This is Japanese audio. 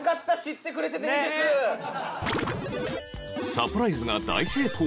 サプライズが大成功